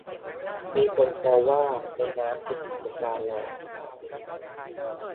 มีคนแซวว่า ในน้ำคือกิจการลอยอังคาร